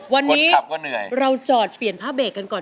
วันนี้เราจอดเปลี่ยนผ้าเบรกกันก่อนเลย